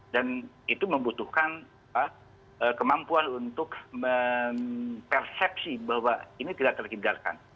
dan itu membutuhkan pak kemampuan untuk mempersepsi bahwa ini tidak terhindarkan